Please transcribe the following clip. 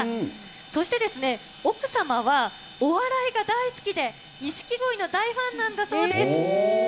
そして奥様はお笑いが大好きで、錦鯉の大ファンなんだそうです。